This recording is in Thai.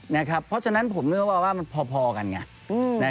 เพราะฉะนั้นผมนึกว่าว่ามันพอกันไง